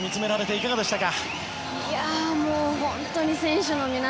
いかがでしたか？